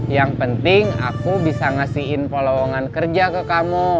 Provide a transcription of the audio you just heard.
yang penting aku bisa ngasih info lowongan kerja ke kamu